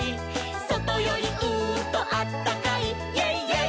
「そとよりうーんとあったかい」「イェイイェイ！